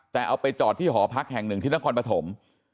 แต่เอาไปจอดที่หอพักแห่งหนึ่งที่นครปฐม